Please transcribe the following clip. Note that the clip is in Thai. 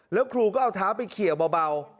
แล้วครูก็เอาเท้าไปเขียวเบา